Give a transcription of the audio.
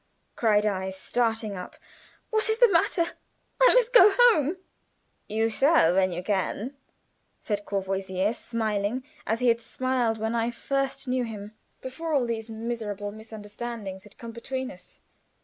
cried I, starting up. "What is the matter? I must go home." "You shall when you can," said Courvoisier, smiling as he had smiled when I first knew him, before all these miserable misunderstandings had come between us.